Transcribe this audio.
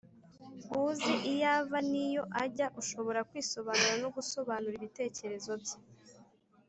uzi iyo ava n'iyo ajya, ushobora kwisobanura no gusobanura ibitekerezo bye.